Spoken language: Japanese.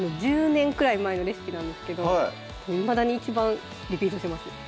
１０年くらい前のレシピなんですけどいまだに一番リピートします